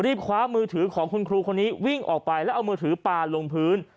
คว้ามือถือของคุณครูคนนี้วิ่งออกไปแล้วเอามือถือปลาลงพื้น